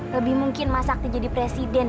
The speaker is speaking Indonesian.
lebih mungkin mas akti jadi presiden